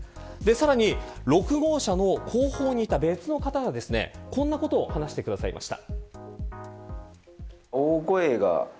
さらに６号車の後方にいた別の方がこんなことを話してくださいました。